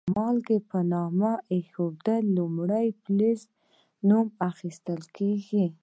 د مالګو په نوم ایښودلو کې لومړی د فلز نوم اخیستل کیږي.